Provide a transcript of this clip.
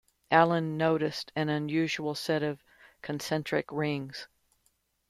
Allen noticed an unusual set of concentric rings.